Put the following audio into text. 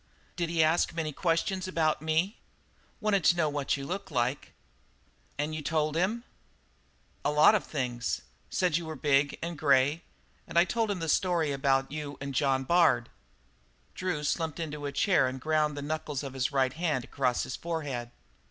"Did he ask many questions about me?" "Wanted to know what you looked like." "And you told him?" "A lot of things. Said you were big and grey. And I told him that story about you and John Bard." Drew slumped into a chair and ground the knuckles of his right hand across his forehead.